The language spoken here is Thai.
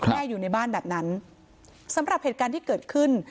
อยู่ในบ้านแบบนั้นสำหรับเหตุการณ์ที่เกิดขึ้น